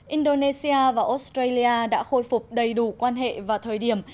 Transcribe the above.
indonesia và australia đã khôi phục đầy đủ quan hệ vào thời điểm